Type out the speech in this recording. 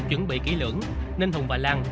chuẩn bị kỹ lưỡng nên hùng và lan